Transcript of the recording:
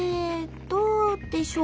どうでしょう？